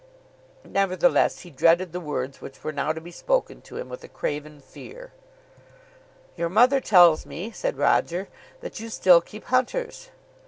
Nevertheless, he dreaded the words which were now to be spoken to him with a craven fear. "Your mother tells me," said Roger, "that you still keep hunters."